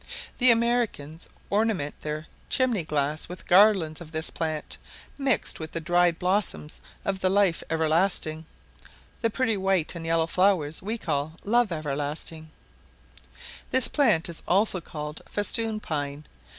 The Americans ornament their chimney glasses with garlands of this plant, mixed with the dried blossoms of the life everlasting (the pretty white and yellow flowers we call love everlasting): this plant is also called festoon pine.